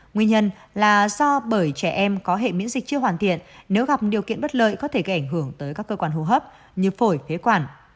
nguyên nhân là do bởi trẻ em có hệ miễn dịch chưa hoàn thiện nếu gặp điều kiện bất lợi có thể gây ảnh hưởng tới các cơ quan hô hấp như phổi huế quản